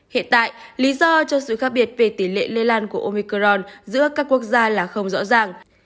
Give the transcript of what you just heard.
hiện tại lý do cho sự khác biệt về tỷ lệ lây lan của oicron giữa các quốc gia là không rõ ràng